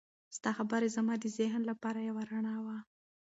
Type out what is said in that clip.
ستا خبرې زما د ذهن لپاره یو رڼا وه.